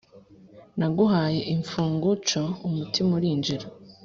Naguhaye infunguco z umutima Urinjira